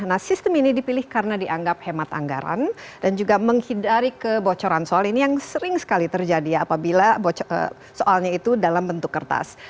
nah sistem ini dipilih karena dianggap hemat anggaran dan juga menghindari kebocoran soal ini yang sering sekali terjadi apabila soalnya itu dalam bentuk kertas